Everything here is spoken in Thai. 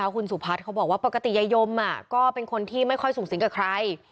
คุณสุพัฒน์เขาบอกว่าปกติยายมก็เป็นคนที่ไม่ค่อยสูงสิงกับใคร